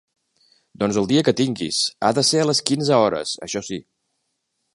Doncs el dia que tinguis, ha de ser a les quinze hores, això sí.